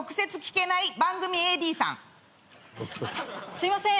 すいません。